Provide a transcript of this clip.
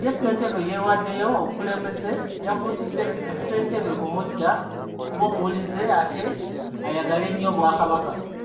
Ye Ssentebe eyawaddeyo obukulembeze yakuutidde Ssentebe omuggya okuba omuwulize ate ayagale nnyo Obwakabaka.